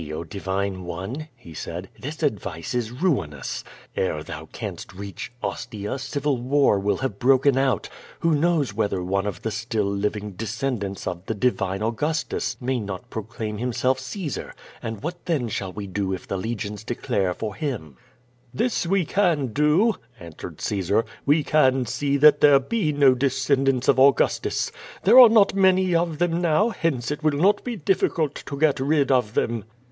Oh divine one," he said. "This advice Ls ruinous. Ere thou canst reach Ostia, civil war will have broken out. Who knows whether one of the still living de scendants of the divine Augustus may not proclaim himself Caesar, and what then shall we do if the legions declare for himr QUO VADI8, 355 "This we can do," answered Caesar, "we can see that there be no descendants of Augustus. There are not many of them now, hence it will not be difficult to get rid of them."